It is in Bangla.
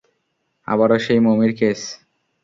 আবারও সেই মমির কেস!